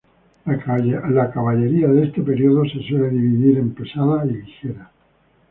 La caballería de este periodo se suele dividir en pesada y ligera.